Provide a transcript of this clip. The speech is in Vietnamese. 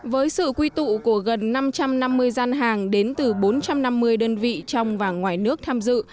với sự quy tụ của gần năm trăm năm mươi gian hàng đến từ bốn trăm năm mươi đơn vị trong và ngoài nước tham dự